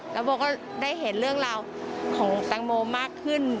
แล้วโบก็ได้เห็นเรื่องราวของแตงโมมากขึ้น